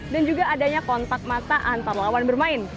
dan juga adanya kontak mata antar lawan bermain